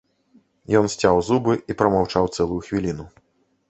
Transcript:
Ён сцяў зубы і прамаўчаў цэлую хвіліну.